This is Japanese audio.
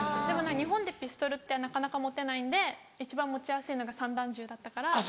でも日本でピストルってなかなか持てないんで一番持ちやすいのが散弾銃だったから。